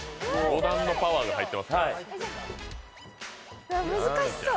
五段のパワーが入ってるから。